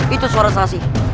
itu suara selasti